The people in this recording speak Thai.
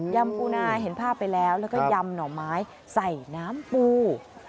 ำปูนาเห็นภาพไปแล้วแล้วก็ยำหน่อไม้ใส่น้ำปู